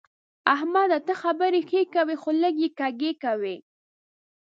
احمده! ته خبرې ښې کوې خو لکۍ يې کږې کوي.